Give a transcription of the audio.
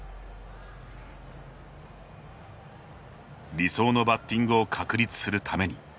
理想のバッティングを確立するために。